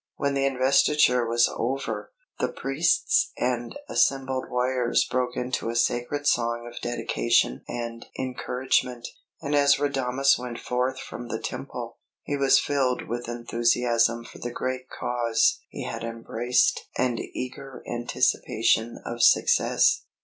When the investiture was over, the priests and assembled warriors broke into a sacred song of dedication and encouragement; and as Radames went forth from the Temple, he was filled with enthusiasm for the great cause he had embraced and eager anticipation of success.